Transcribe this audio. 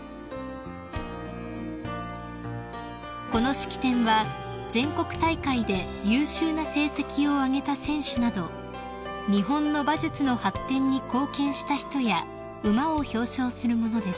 ［この式典は全国大会で優秀な成績を挙げた選手など日本の馬術の発展に貢献した人や馬を表彰するものです］